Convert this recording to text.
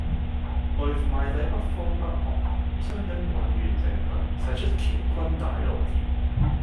外賣仔不慌不忙，雙掌渾圓成盾，使出乾坤大挪移